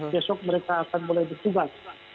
besok mereka akan mulai bertugas